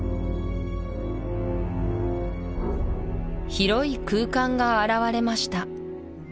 広い空間が現れました